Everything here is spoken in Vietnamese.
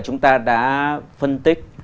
chúng ta đã phân tích